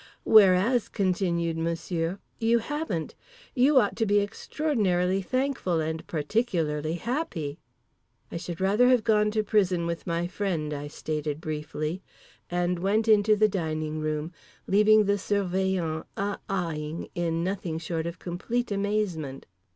"Whereas," continued Monsieur, "you haven't. You ought to be extraordinarily thankful and particularly happy!" "I should rather have gone to prison with my friend," I stated briefly; and went into the dining room, leaving the Surveillant uh ahing in nothing short of complete amazement.